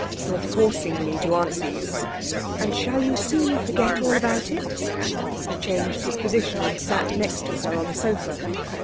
'You're forcing me to answer you.' 'And shall you soon forget all about it?' He changed his position and sat next to her on the sofa.